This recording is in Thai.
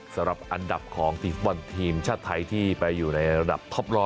สำหรับอันดับของทีมชาติไทยที่ไปอยู่ในอันดับท็อป๑๐๐